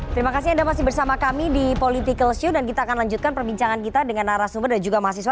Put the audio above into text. terima kasih anda masih bersama kami di political show dan kita akan lanjutkan perbincangan kita dengan arah sumber dan juga mahasiswa